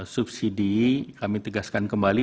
subsidi kami tegaskan kembali